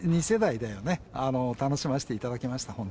２世代だよね、楽しませていただきました。